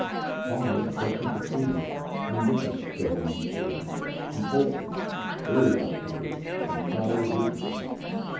I, accustomed to freedom, indifferent to home details, impulsive, very hot tempered, and proud as Lucifer.